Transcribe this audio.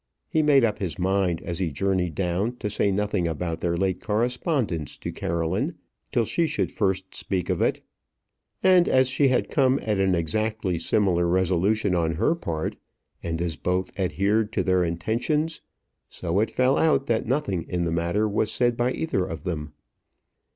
He made up his mind as he journeyed down to say nothing about their late correspondence to Caroline till she should first speak of it; and as she had come to an exactly similar resolution on her part, and as both adhered to their intentions, it so fell out that nothing in the matter was said by either of them.